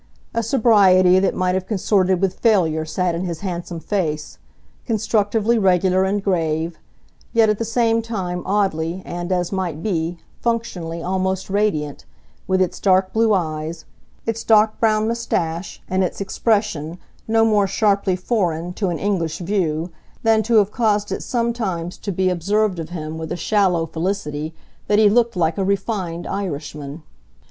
A sobriety that might have consorted with failure sat in his handsome face, constructively regular and grave, yet at the same time oddly and, as might be, functionally almost radiant, with its dark blue eyes, its dark brown moustache and its expression no more sharply "foreign" to an English view than to have caused it sometimes to be observed of him with a shallow felicity that he looked like a "refined" Irishman.